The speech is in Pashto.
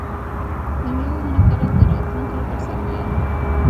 د مېوو ونه کرل د راتلونکي لپاره سرمایه ده.